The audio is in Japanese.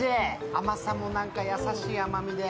甘さも優しい甘みで。